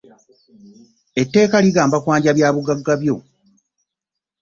Etteeka ligamba kwanja byabugagga byo.